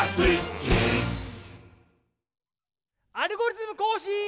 「アルゴリズムこうしん」！